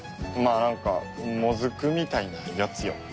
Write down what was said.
まあなんかもずくみたいなやつよ。